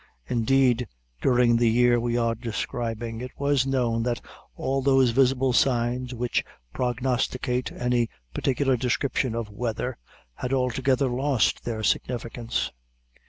Indeed, during the year we are describing, it was known that all those visible signs which prognosticate any particular description of weather, had altogether lost their significance.